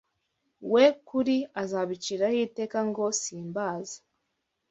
we Kuri azabaciraho iteka ngo: “Simbazi”?